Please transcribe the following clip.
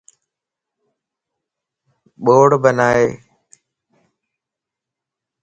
ٻوڙ بنائي